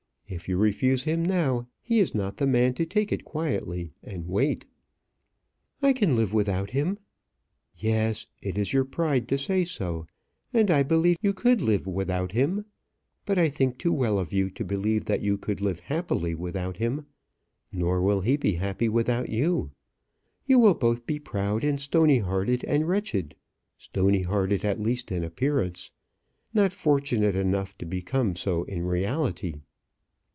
If you refuse him now, he is not the man to take it quietly and wait." "I can live without him." "Yes; it is your pride to say so; and I believe you could live without him. But I think too well of you to believe that you could live happily without him; nor will he be happy without you. You will both be proud, and stony hearted, and wretched stony hearted at least in appearance; not fortunate enough to become so in reality."